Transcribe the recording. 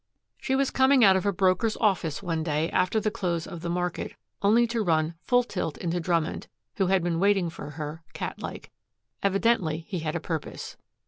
She was coming out of a broker's office one day after the close of the market, only to run full tilt into Drummond, who had been waiting for her, cat like. Evidently he had a purpose.